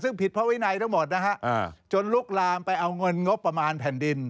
ซึ่งผิดพระวินัยทั้งหมดนะฮะจนลุกลามไปเอาเงินงบประมาณแผ่นดิน